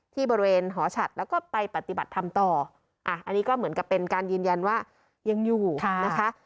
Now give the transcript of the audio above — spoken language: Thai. ที่บริเวณหอฉัดแล้วก็ไปปฏิบัติธรรมต่ออันนี้ก็เหมือนกับเป็นการยืนยันว่ายังอยู่นะคะ